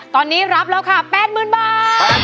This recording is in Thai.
ตอนนี้รับแล้วค่ะ๘๐๐๐บาท